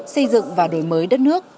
xây dựng và đổi mới đất nước